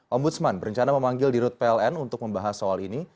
om budsman berencana memanggil di rut pln untuk membahas soal ini